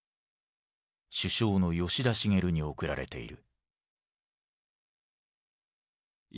首相の吉田茂に送られている。